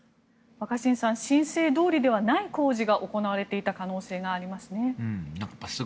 若新さん申請どおりではない工事が行われていた可能性がありますね。